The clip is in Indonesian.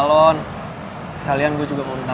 less revocerin banyak ga rupanya